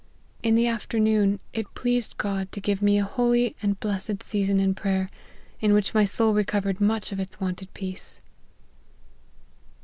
In the afternoon, it pleased God to give me a holy and blessed sea LIFE OF HENRY MARTYN. 53 son in prayer, in which my soul recovered much of its wonted peace."